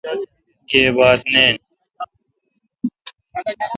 گیب بات نین۔